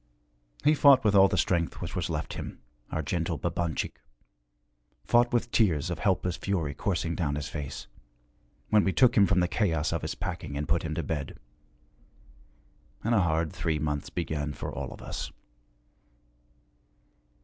He fought with all the strength which was left him, our gentle Babanchik, fought with tears of helpless fury coursing down his face, when we took him from the chaos of his packing and put him to bed. And a hard three months began for all of us.